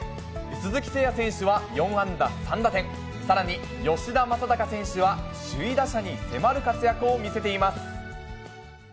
鈴木誠也選手は４安打３打点、さらに吉田正尚選手は、首位打者に迫る活躍を見せています。